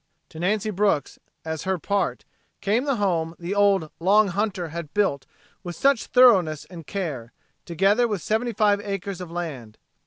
To Nancy Brooks, as her part, came the home the old "Long Hunter" had built with such thoroughness and care, together with seventy five acres of land.